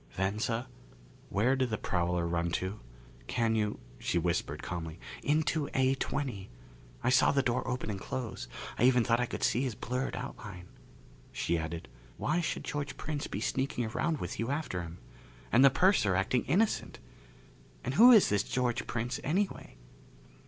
"Venza, where did the prowler run to? Can you " She whispered calmly, "Into A20. I saw the door open and close. I even thought I could see his blurred outline." She added, "Why should George Prince be sneaking around with you after him? And the purser acting innocent? And who is this George Prince, anyway?"